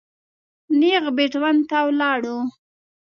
نېغ بېټ ون ته ولاړو.